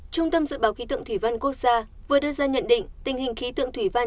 trung tâm dự báo khí tượng thủy văn quốc gia vừa đưa ra nhận định tình hình khí tượng thủy văn